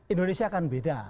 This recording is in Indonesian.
indonesia kan beda